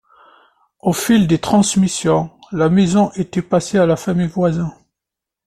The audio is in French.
Au fil des transmissions, la maison était passée à la famille Voisin.